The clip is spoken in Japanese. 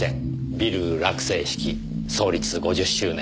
ビル落成式創立５０周年。